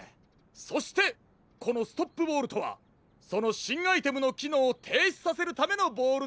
そしてこのストップボールとはそのしんアイテムのきのうをていしさせるためのボールなのです。